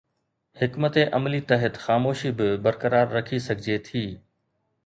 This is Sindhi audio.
حڪمت عملي تحت خاموشي به برقرار رکي سگهجي ٿي.